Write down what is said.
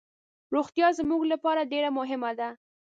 روغتیا زموږ لپاره ډیر مهمه ده.